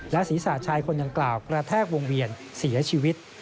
และศรีสาชัยคนยังกล่าวประแทกวงเวียนเสียชีวิต